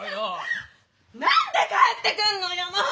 何で帰ってくんのよもう！